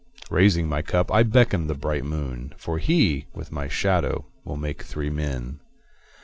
Raising my cup I beckon the bright moon, For he, with my shadow, will make three men.